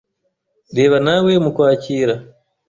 Reba nawe mukwakira.